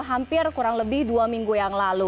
hampir kurang lebih dua minggu yang lalu